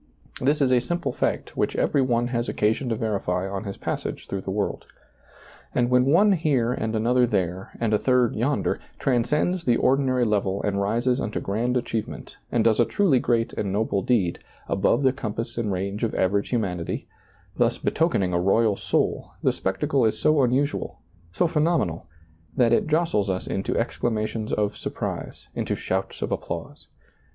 This is a simple fact which every one has occasion to verify on his passage through the world. And when one here and another there, and a third yonder, transcends the ordinary level and rises unto grand achieve ment, and does a truly great and noble deed, above the compass and range of average humanity, thus betokening a royal soul, the spectacle is so unusual, so phenomenal, that it jostles us into exclamations of surprise, into shouts of applause.